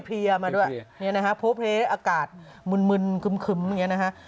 เรียมาด้วยเนี่ยนะฮะโพเพลอากาศมึนคึ้มอย่างนี้นะฮะ